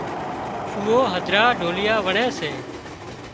ڦوئو هڌرا ڍوليئا وڻي سي